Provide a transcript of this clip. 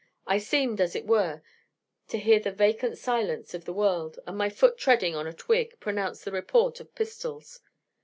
I seemed, as it were, to hear the vacant silence of the world, and my foot treading on a twig, produced the report of pistols.